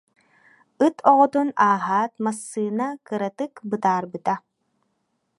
Ыт оҕотун ааһаат массыына кыратык бытаарбыта